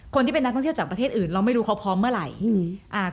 คนที่เป็นนักท่องเที่ยวจากประเทศอื่นเราไม่รู้เขาพร้อมเมื่อไหร่